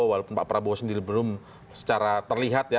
walaupun pak prabowo sendiri belum secara terlihat ya